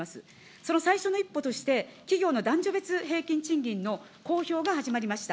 その最初の一歩として、企業の男女別平均賃金の公表が始まりました。